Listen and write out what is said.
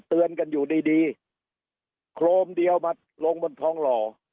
เตือนกันอยู่ดีดีโครมเดียวมาลงบนทองหล่อ